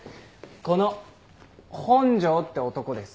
この本庄って男です。